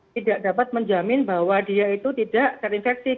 tidak dapat menjamin bahwa dia itu tidak terinfeksi